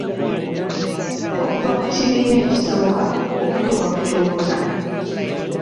Okuva ku kibiina ekisooka okutuuka ku kyokuna.